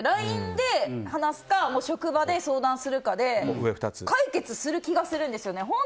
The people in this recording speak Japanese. ＬＩＮＥで話すか職場で相談するかで解決する気がするんですよね。